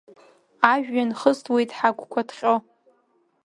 Ажәҩан хысуеит ҳагәқәа ҭҟьо…